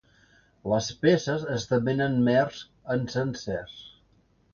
Les peces esdevenen mers encensers.